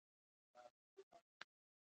اضافي حسي ادراک د لیرې پېښو خبرتیاوې دي.